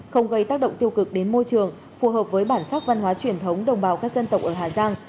không gây tác động tiêu cực đến môi trường phù hợp với bản sắc văn hóa truyền thống đồng bào các dân tộc ở hà giang